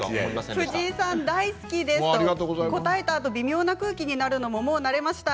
藤井さん、大好きです答えたあと微妙な空気なるのも慣れました。